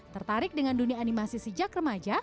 tertarik dengan dunia animasi sejak remaja